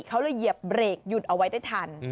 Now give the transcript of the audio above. เขาเลยเหยียบเบรกหยุดเอาไว้ได้ทัน